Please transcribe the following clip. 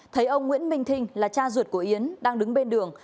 thấy ông nguyễn minh thinh là cha ruột của yến đang đứng bên đường